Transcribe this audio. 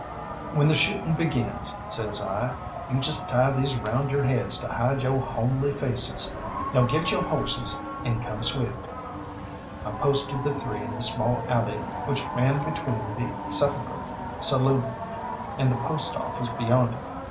"When the shooting begins," says I, "just you tie these round your heads to hide yo' homely faces. Now get yo' horses and come swift." I posted the three in the small alley which ran between the "Sepulchre" saloon and the post office beyond it.